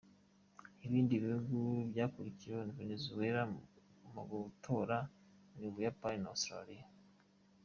Ibindi bihugu byakurikiye Nouvelle-Zélande mu gutora ni u Buyapani na Australia.